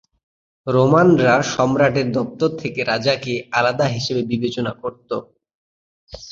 রোমানরা সম্রাটের দপ্তর থেকে রাজাকে আলাদা হিসাবে বিবেচনা করত।